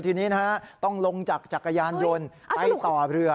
ทีนี้นะฮะต้องลงจากจักรยานยนต์ไปต่อเรือ